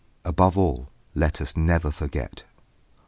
XV ABOVE ALL LET US NEVER FORGET!